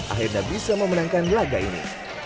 akhirnya bisa memenangkan laga ini